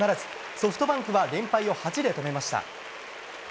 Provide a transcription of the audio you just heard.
ソフトバンクは連敗を８で止めました。